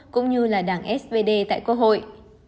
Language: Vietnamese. cũng như là đảng svd tại quốc hội